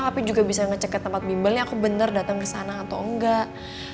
aku juga bisa ngecek ke tempat bimbelnya aku bener datang ke sana atau enggak